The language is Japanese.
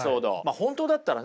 本当だったらね